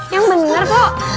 yang bener pok